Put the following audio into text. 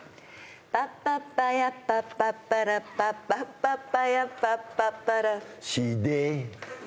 パパパヤパパパラパパパパヤパパパラ「シーデー」